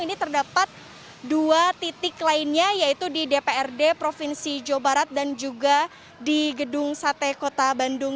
ini terdapat dua titik lainnya yaitu di dprd provinsi jawa barat dan juga di gedung sate kota bandung